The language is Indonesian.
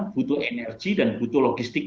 butuh energi dan butuh logistik